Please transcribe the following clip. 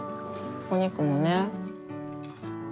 お肉もね。